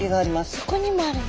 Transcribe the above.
そこにもあるの？